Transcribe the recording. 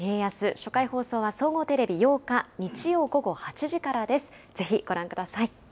初回放送は、総合テレビ８日日曜午後８時からです。